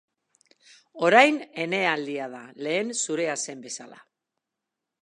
Orain ene aldia da, lehen zurea zen bezala.